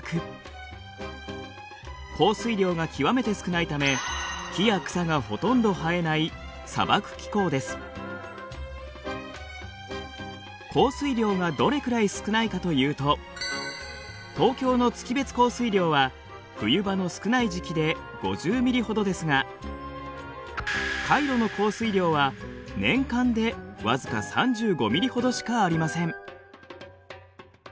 降水量が極めて少ないため木や草がほとんど生えない降水量がどれくらい少ないかというと東京の月別降水量は冬場の少ない時期で５０ミリほどですがカイロの降水量は年間で僅か３５ミリほどしかありません。